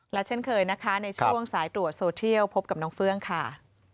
และเช่นเคยนะคะในช่วงสายตรวจโซเทียลพบกับน้องเฟื่องค่ะ